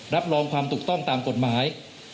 รับรองความถูกต้องตามกฎหมาย